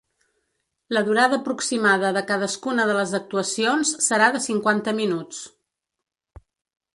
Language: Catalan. La durada aproximada de cadascuna de les actuacions serà de cinquanta minuts.